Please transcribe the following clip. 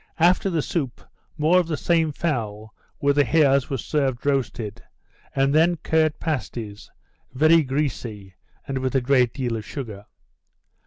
After the soup more of the same fowl with the hairs was served roasted, and then curd pasties, very greasy, and with a great deal of sugar.